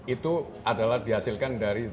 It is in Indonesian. itu adalah dihasilkan dari